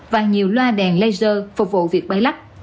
và nhiều loa đèn laser phục vụ việc bay lắp